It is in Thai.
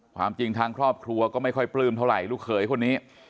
ความจริงทางครอบครัวก็ไม่ค่อยปลื้มเท่าไหร่ลูกเขยคนนี้